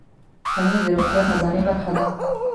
پنېر د روغتیا خزانې برخه ده.